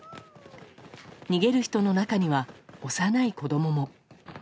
逃げる人の中には幼い子供も。